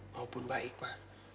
maupun baik ma